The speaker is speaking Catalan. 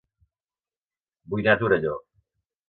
Vull anar a Torelló